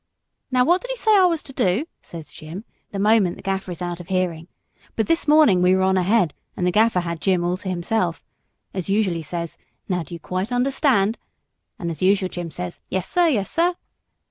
'Now what did he say I was to do?' says Jim, the moment the Gaffer is out of hearing. But this morning we were on ahead, and the Gaffer had Jim all to himself. As usual he says, 'Now do you quite understand?' and as usual Jim says, 'Yes, sir; yes, sir.'